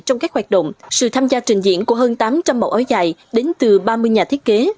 trong các hoạt động sự tham gia trình diễn của hơn tám trăm linh mẫu áo dài đến từ ba mươi nhà thiết kế